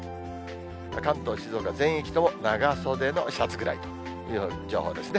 関東、静岡、全域とも長袖のシャツぐらいという情報ですね。